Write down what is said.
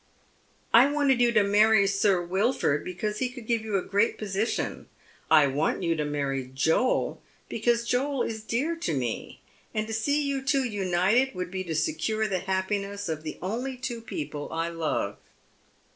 " I wanted you to marry Sir Wilford because he coidd give you a great position. I want you to marry Joel because Joel is dear to me, and to see you two united would be to secure the happiness of the only two people I love."